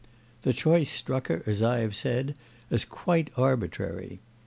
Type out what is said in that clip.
The choice struck her, as I have said, as quite arbitrary.